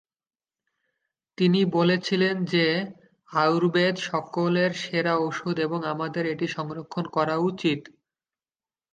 তিনি বলেছিলেন যে আয়ুর্বেদ সকলের সেরা ওষুধ এবং আমাদের এটি সংরক্ষণ করা উচিত।